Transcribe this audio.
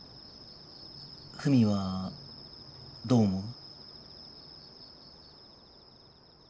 フミはどう思う？